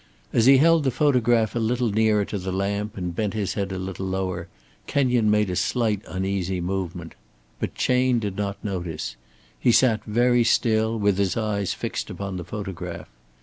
As he held the photograph a little nearer to the lamp, and bent his head a little lower, Kenyon made a slight uneasy movement. But Chayne did not notice. He sat very still, with his eyes fixed upon the photograph.